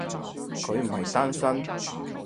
佢唔係單身？